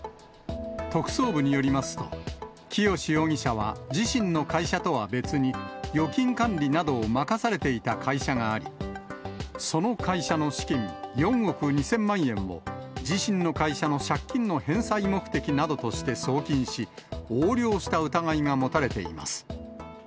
特捜部によりますと、清志容疑者は自身の会社とは別に、預金管理などを任されていた会社があり、その会社の資金４億２０００万円を、自身の会社の借金の返済目的などとして送金し、横領した疑いが持たれています。